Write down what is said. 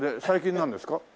最近なんですか？